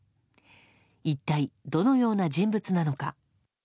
一体どのような人物なのか。